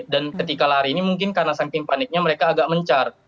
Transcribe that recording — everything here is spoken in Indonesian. dan ketika lari ini mungkin karena saking paniknya mereka agak mencar